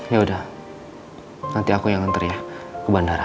ya udah nanti aku yang ngantri ya ke bandara